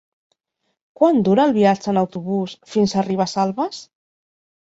Quant dura el viatge en autobús fins a Ribesalbes?